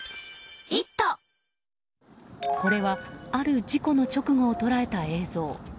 これはある事故の直後を捉えた映像。